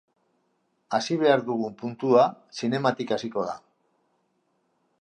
Hasi behar dugun puntua zinematik hasiko da.